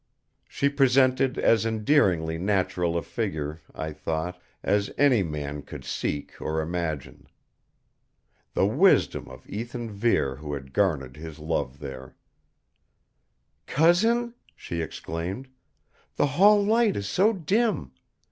She presented as endearingly natural a figure, I thought, as any man could seek or imagine. The wisdom of Ethan Vere who had garnered his love here! "Cousin?" she exclaimed. "The hall light is so dim!